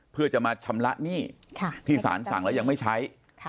เพื่อจะมาชำระหนี้ที่สารสั่งแล้วยังไม่ใช้